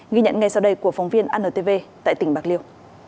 ghi nhận ngay sau đây của phóng viên antv tại tỉnh bạc liêu